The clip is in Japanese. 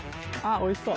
おいしそう。